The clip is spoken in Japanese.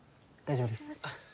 大丈夫です。